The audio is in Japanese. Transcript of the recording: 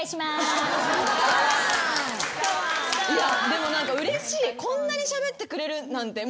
でも何かうれしい。